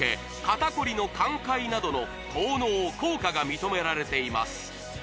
肩こりの緩解などの効能効果が認められています